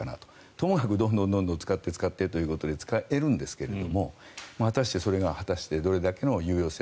ともかくどんどん使って、使ってということで使えるんですけども果たしてそれがどれだけの有用性